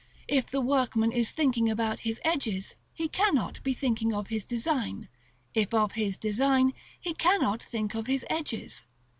If the workman is thinking about his edges, he cannot be thinking of his design; if of his design, he cannot think of his edges.